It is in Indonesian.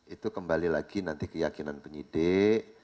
itu kembali lagi nanti keyakinan penyidik